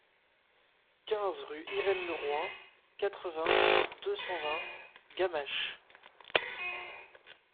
quinze rue Irène Leroy, quatre-vingts, deux cent vingt, Gamaches